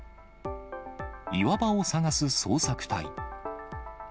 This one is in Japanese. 岩場を捜す捜索隊。